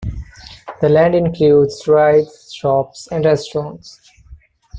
The land includes rides, shops, and restaurants.